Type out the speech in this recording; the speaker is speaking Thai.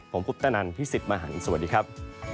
ผมคุปตะนันพี่สิทธิ์มหันฯสวัสดีครับ